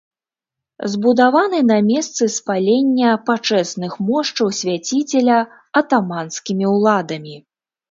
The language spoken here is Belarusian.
Збудаваны на месцы спалення пачэсных мошчаў свяціцеля атаманскімі ўладамі.